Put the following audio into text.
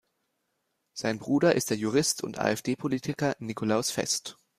Sein Bruder ist der Jurist und AfD-Politiker Nicolaus Fest.